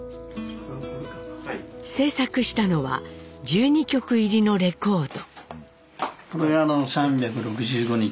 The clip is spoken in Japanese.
制作したのは１２曲入りのレコード。